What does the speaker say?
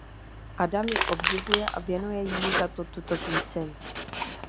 Adam ji obdivuje a věnuje jí za to tuto píseň.